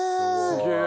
すげえ。